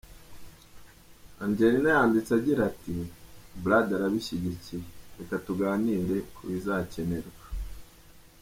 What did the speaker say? Angelina yanditse agira ati “Brad arabishyigikiye, reka tuganire ku bizakenerwa.